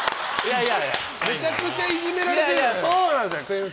めちゃくちゃいじめられてるじゃん、先生！